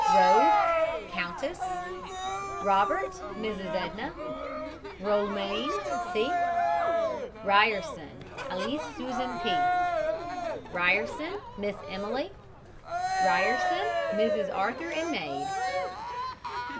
ROTHES, COUNTESS. ROBERT, MRS. EDNA. ROLMANE, C. RYERSON, ALISS SUSAN P. RYERSON, MISS EMILY. RYERSON, MRS. ARTHUR, and maid.